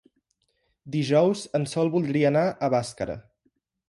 Dijous en Sol voldria anar a Bàscara.